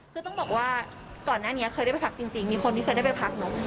คือต้องบอกว่าก่อนหน้านี้เคยได้ไปพักจริงมีคนที่เคยได้ไปพักเนอะ